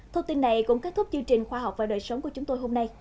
thông tin này cũng kết thúc chương trình khoa học và đời sống của chúng tôi hôm nay